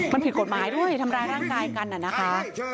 มันผิดกฎหมายด้วยทำร้ายร่างกายกันน่ะนะคะ